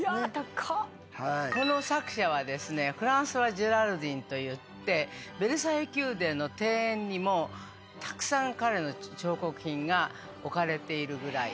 この作者はフランソワ・ジェラルディンといってヴェルサイユ宮殿の庭園にもたくさん彼の彫刻品が置かれてるぐらい。